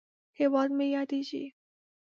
هیواد مې ياديږي